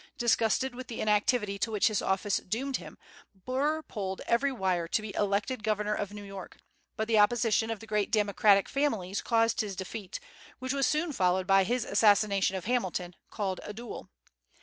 Disgusted with the inactivity to which his office doomed him, Burr pulled every wire to be elected governor of New York; but the opposition of the great Democratic families caused his defeat, which was soon followed by his assassination of Hamilton, called a duel.